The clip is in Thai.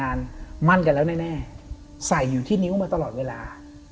แต่งงานมั่นกันแล้วแน่ใส่อยู่ที่นิ้วตลอดเวลา